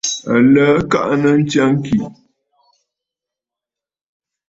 Aləə kaʼanə ntsya ŋkì.